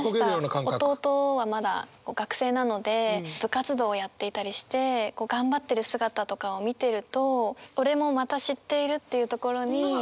弟はまだ学生なので部活動をやっていたりして頑張ってる姿とかを見てると「おれもまた知っている」っていうところに。